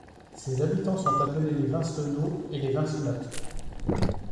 Ses habitants sont appelés les Vincenots et les Vincenottes.